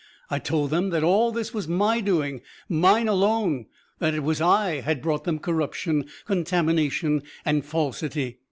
I told them that all this was my doing, mine alone; that it was I had brought them corruption, contamination and falsity.